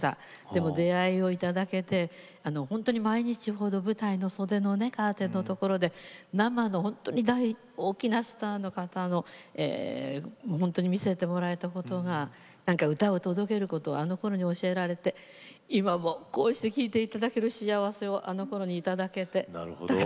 でも出会いをいただけて本当に毎日程、舞台の袖のカーテンのところで生の大きなスターの方の見せてもらったことが歌を届けることあのころに教えられて今もこうして聴いていただける幸せをあのころにいただけて。